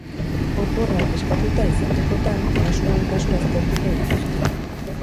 Oporrak eskatuta izatekotan, kasuan kasu aztertuko dituzte.